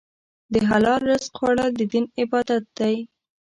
د حلال رزق خوړل د دین عبادت دی.